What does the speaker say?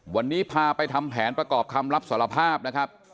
วันนี้พาไปทำแผนประกอบคำรับสารภาพนะครับ